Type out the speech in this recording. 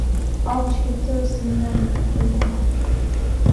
Ал Бишкекке өз семинары менен келген.